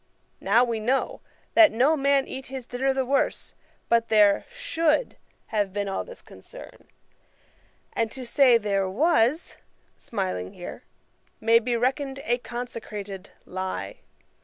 Now we know, that no man eat his dinner the worse, but there should have been all this concern; and to say there was, (smiling) may be reckoned a consecrated lie.'